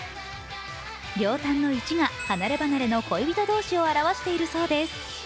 両端の１が離ればなれの恋人同士を表しているそうです。